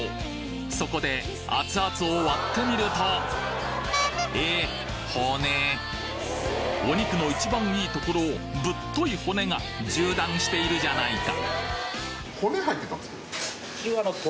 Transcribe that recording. そこでアツアツを割ってみるとえっお肉の一番いいところをぶっとい骨が縦断しているじゃないか！